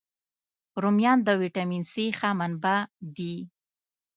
رومیان د ویټامین C ښه منبع دي